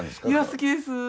いや好きです。